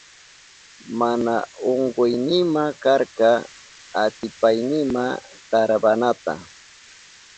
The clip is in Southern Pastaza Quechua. Mana unkuynima karka atipaynima tarawanata.